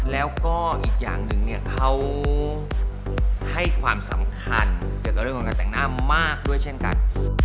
แล้วก็อีกอย่างหนึ่งเนี่ยเขาให้ความสำคัญเกี่ยวกับเรื่องของการแต่งหน้ามากด้วยเช่นกัน